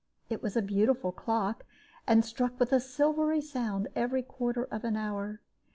It was a beautiful clock, and struck with a silvery sound every quarter of an hour.